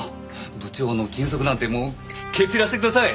部長の禁足なんてもう蹴散らしてください。